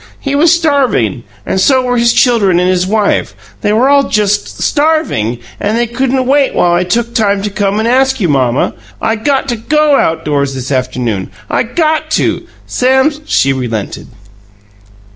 He was starving and so were his children and his wife. They were all just STARVING and they couldn't wait while I took time to come and ask you, Mamma. I got to GO outdoors this afternoon. I GOT to! Sam's " She relented.